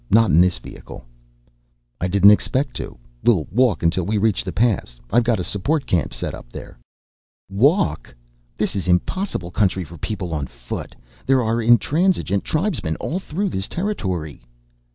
Not in this vehicle." "I didn't expect to. We'll walk until we reach the pass. I've got a support camp set up there." "Walk? This is impossible country for people on foot. There are intransigent tribesmen all through this territory."